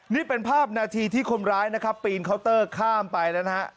นี่เป็นภาพนาทีที่คนร้ายนะครับปีนเคาน์เตอร์ข้ามไปแล้วนะฮะ